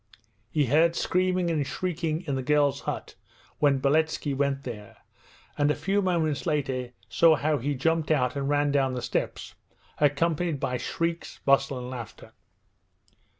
He heard screaming and shrieking in the girls' hut when Beletski went there, and a few moments later saw how he jumped out and ran down the steps, accompanied by shrieks, bustle, and laughter.